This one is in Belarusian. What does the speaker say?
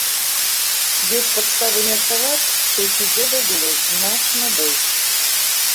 Ёсць падставы меркаваць, што эпізодаў было значна больш.